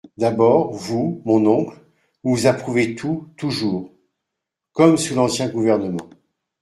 D’abord, vous, mon oncle, vous approuvez tout, toujours… comme sous l’ancien gouvernement…